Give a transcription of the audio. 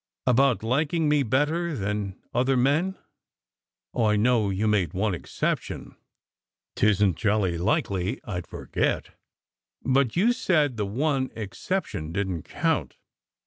"About liking me better than other men? Oh, I know you made one exception. Tisn t jolly likely I d forget! But you said the One Exception didn t count.